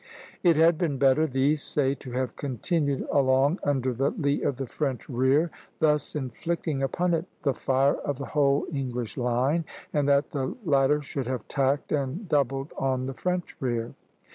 It had been better, these say, to have continued along under the lee of the French rear, thus inflicting upon it the fire of the whole English line, and that the latter should have tacked and doubled on the French rear.